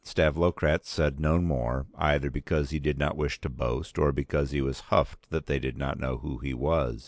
Stavlokratz said no more, either because he did not wish to boast or because he was huffed that they did not know who he was.